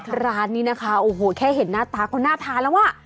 ครับโอ้โหร้านนี้นะคะแค่เห็นหน้าตาก็หน้าทานแล้วว่า